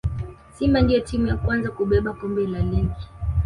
simba ndiyo timu ya kwanza kubeba kombe la ligi